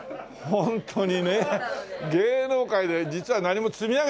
ホントに。